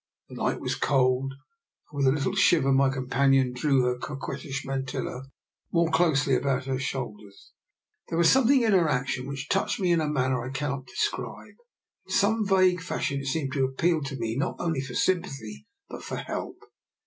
The night was cold, and, with a little shiver, my companion drew her coquettish mantilla more closely about her shoulders. There was something in her action which touched me in a manner I cannot describe. In some vague fashion it seemed to appeal DR. NIKOLA'S EXPERIMENT. 89 to me not only for sympathy but for help.